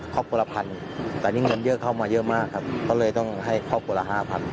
ครอบครัวละพันแต่นี่เงินเยอะเข้ามาเยอะมากครับก็เลยต้องให้ครอบครัวละห้าพัน